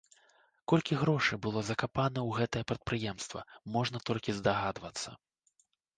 Колькі грошай было закапана ў гэтае прадпрыемства, можна толькі здагадвацца.